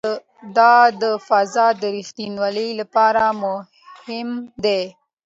دا د فضا د ریښتینولي لپاره مهم دی.